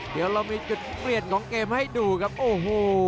เดี๋ยวเรามีจุดเปลี่ยนของเกมให้ดูครับโอ้โห